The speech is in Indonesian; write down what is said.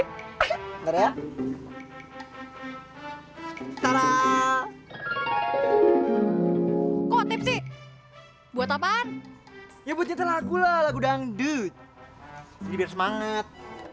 tarah kok sih buat apaan ya buat nyetir lagu lagu dangdut diberi semangat